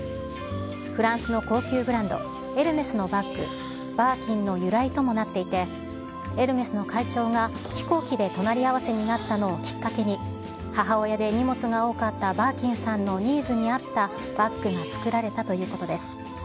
フランスの高級ブランド、エルメスのバッグ、バーキンの由来ともなっていて、エルメスの会長が飛行機で隣り合わせになったのをきっかけに、母親で荷物が多かったバーキンさんのニーズに合ったバッグが作られたということです。